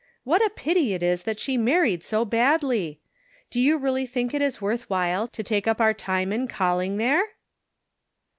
What a pity it is that she married so badly ! Do you really think it is worth while to take up our time in calling there